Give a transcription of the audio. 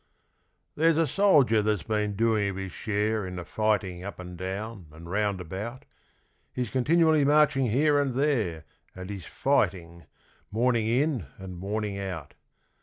There's a soldier that's been doing of his share In the fighting up and down and round about. He's continually marching here and there And he's fighting, morning in and morning out.